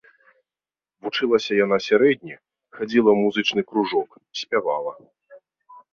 Вучылася яна сярэдне, хадзіла ў музычны кружок, спявала.